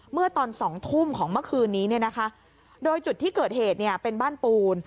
เมื่อตอน๒ทุ่มของเมื่อคืนนี้โดยจุดที่เกิดเหตุเป็นบ้านปูน